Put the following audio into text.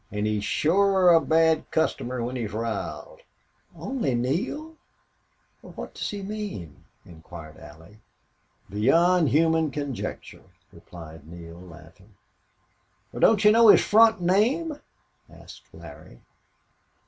"An' he's shore a bad customer when he's r'iled." "Only Neale? What does he mean?" inquired Allie. "Beyond human conjecture," replied Neale, laughing. "Wal, don't you know his front name?" asked Larry.